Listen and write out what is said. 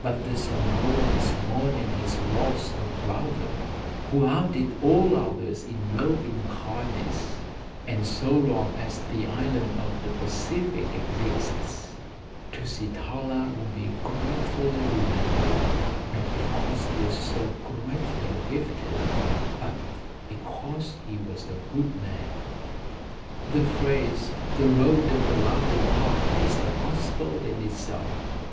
But the Samoans mourn in his loss a brother, who outdid all others in loving kindness, and so long as the island in the Pacific exists, Tusitala will be gratefully remembered, not because he was so greatly gifted, but because he was a good man. The phrase, "The Road of the Loving Heart," is a gospel in itself.